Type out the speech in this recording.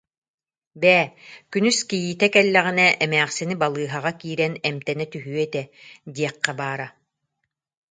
Бээ, күнүс кийиитэ кэллэҕинэ эмээхсини балыыһаҕа киирэн эмтэнэ түһүө этэ диэххэ баара